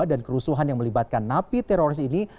dan kerusuhan yang melibatkan napi teroris ini